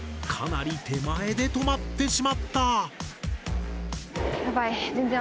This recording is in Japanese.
かなり手前で止まってしまった。